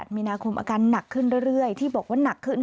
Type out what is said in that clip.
มีนาคมอาการหนักขึ้นเรื่อยที่บอกว่าหนักขึ้น